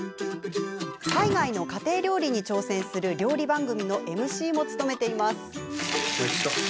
海外の家庭料理に挑戦する料理番組のＭＣも務めています。